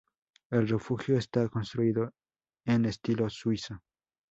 El refugio está construido en estilo suizo.